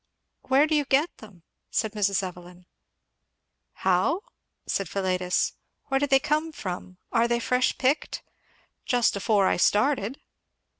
"Where do you get them?" said Mrs. Evelyn. "How? " said Philetus. "Where do they come from? Are they fresh picked?" "Just afore I started."